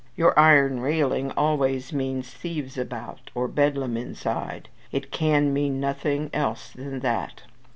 Your iron railing always means thieves outside, or Bedlam inside; it can mean nothing else than that.